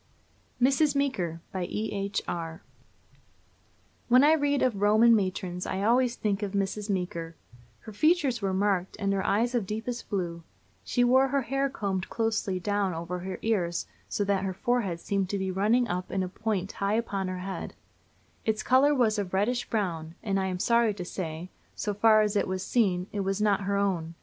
MRS. MEEKER. BY E.H. ARR. When I read of Roman matrons I always think of Mrs. Meeker. Her features were marked, and her eyes of deepest blue. She wore her hair combed closely down over her ears, so that her forehead seemed to run up in a point high upon her head: Its color was of reddish brown, and, I am sorry to say, so far as it was seen, it was not her own.